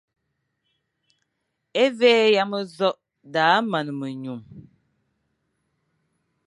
E mvi é yama nzokh daʼa man enyum.